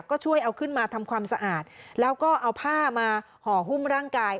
ก็ช่วยเอาขึ้นมาทำความสะอาดแล้วก็เอาผ้ามาห่อหุ้มร่างกาย